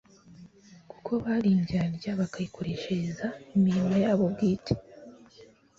kuko bari indyarya bakayikoreshereza imirimo yabo bwite.